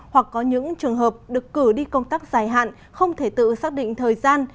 hoặc có những trường hợp được cử đi công tác dài hạn không thể tự xác định thời gian